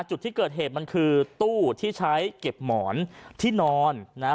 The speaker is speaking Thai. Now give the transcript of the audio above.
จุดที่เกิดเหตุมันคือตู้ที่ใช้เก็บหมอนที่นอนนะฮะ